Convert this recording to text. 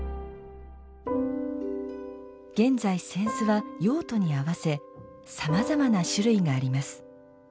現在、扇子は用途に合わせさまざまな種類があります。